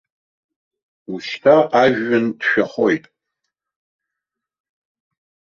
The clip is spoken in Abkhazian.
Ушьҭа ажәҩан ҭшәахоит.